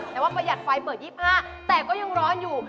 แต่ว่าประหยัดไฟเปิด๒๕แต่ก็ยังร้อนอยู่